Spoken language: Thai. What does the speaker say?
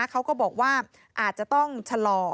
เขาก็บอกว่าอาจจะต้องชะลอ